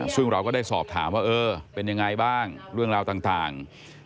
ซึ่งเราก็ได้สอบถามว่าเออเป็นยังไงบ้างเรื่องราวต่าง